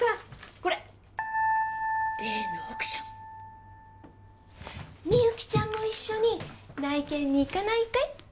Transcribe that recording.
これ例の億ションみゆきちゃんも一緒に内見に行かないかい？